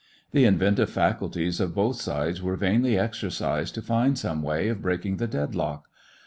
The inventive faculties of both sides were vainly exercised to find some way of breaking the dead lock.